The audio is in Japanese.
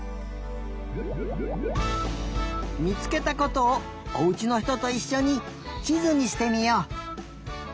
みつけたことをおうちのひとといっしょにちずにしてみよう。